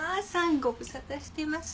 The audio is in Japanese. ご無沙汰してます。